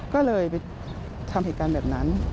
ก็เลยไปทำเหตุการณ์แบบนั้น